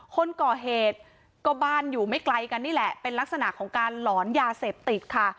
คนก่อเหตุก็บ้านอยู่ไม่ไกลกันนี่แหละเป็นลักษณะของการหลอนยาเสพติดค่ะ